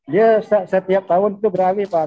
dia setiap tahun itu berawi pak